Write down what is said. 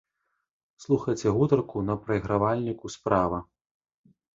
Слухайце гутарку на прайгравальніку справа.